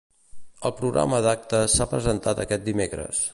El programa d'actes s'ha presentat aquest dimecres.